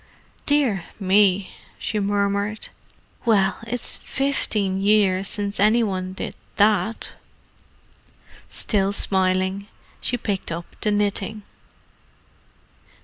"Dear me!" she murmured. "Well, it's fifteen years since any one did that." Still smiling, she picked up the knitting.